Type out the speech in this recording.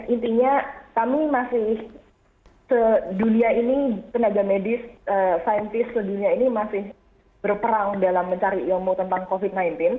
intinya kami masih sedunia ini tenaga medis saintis sedunia ini masih berperang dalam mencari ilmu tentang covid sembilan belas